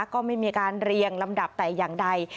ก็ไม่มีการเรียงลำดับแต่อย่างใด